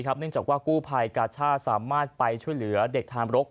เนื่องจากว่ากู้ภัยกาชาติสามารถไปช่วยเหลือเด็กทามรก